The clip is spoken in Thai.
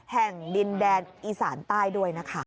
แห่งดินแดนอีสานใต้ด้วยนะคะ